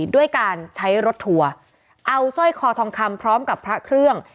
ด้วยการใช้รถทัวร์เอาสร้อยคอทองคำพร้อมกับพระเครื่อง